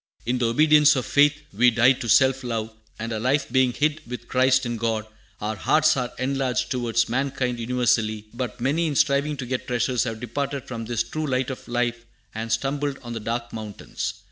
"In the obedience of faith we die to self love, and, our life being `hid with Christ in God,' our hearts are enlarged towards mankind universally; but many in striving to get treasures have departed from this true light of life and stumbled on the dark mountains.